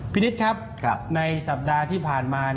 นิดครับในสัปดาห์ที่ผ่านมา